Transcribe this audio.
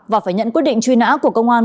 và phải nhận quyết định truy nã của công an